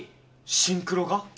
シンクロが？